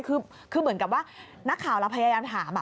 คือเหมือนกับว่านักข่าวเราพยายามถาม